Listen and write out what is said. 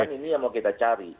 ini yang mau kita cari